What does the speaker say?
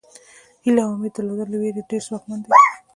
هیله او امید درلودل له وېرې ډېر ځواکمن دي.